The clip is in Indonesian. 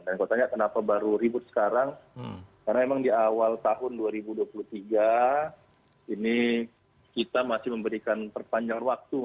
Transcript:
dan kalau ditanya kenapa baru ribut sekarang karena memang di awal tahun dua ribu dua puluh tiga ini kita masih memberikan perpanjang waktu